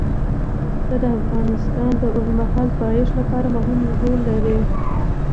پسه د افغانستان د اوږدمهاله پایښت لپاره مهم رول لري.